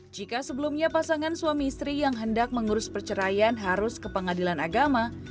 jika sebelumnya pasangan suami istri yang hendak mengurus perceraian harus ke pengadilan agama